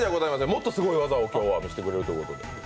もっとすごい技を今日は見せてくれるということで。